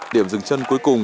điểm dừng chân cuối cùng